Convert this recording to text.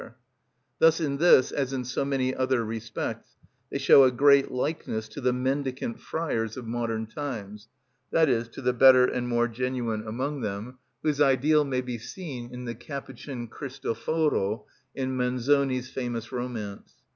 _" Thus in this, as in so many other respects, they show a great likeness to the mendicant friars of modern times, that is, to the better and more genuine among them, whose ideal may be seen in the Capucine Christoforo in Manzoni's famous romance.